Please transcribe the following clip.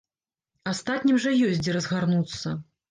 Астатнім жа ёсць дзе разгарнуцца.